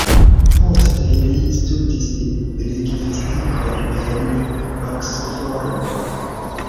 Poste li studis lingvistikon en Oksfordo.